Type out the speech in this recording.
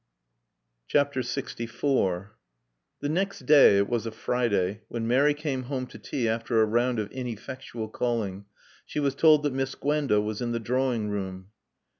LXIV The next day (it was a Friday), when Mary came home to tea after a round of ineffectual calling she was told that Miss Gwenda was in the drawing room.